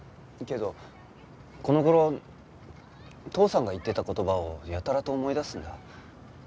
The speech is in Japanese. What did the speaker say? けどこの頃父さんが言ってた言葉をやたらと思い出すんだ。